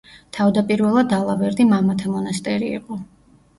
თავდაპირველად, ალავერდი მამათა მონასტერი იყო.